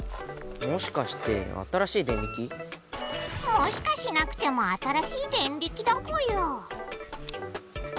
もしかしなくても新しいデンリキだぽよ！